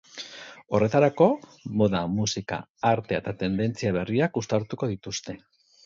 Horretarako, moda, musika, artea eta tendentzia berriak uztartuko dituzte.